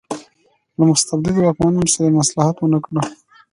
له مستبدو واکمنو سره یې مصلحت ونکړ.